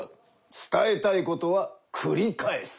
伝えたいことはくり返す。